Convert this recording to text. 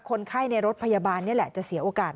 คนไข้ในรถพยาบาลนี่แหละจะเสียโอกาส